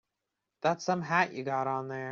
That's some hat you got on there.